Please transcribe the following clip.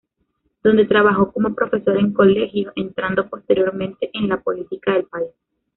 Donde trabajó como profesor en colegios, entrando posteriormente en la política del país.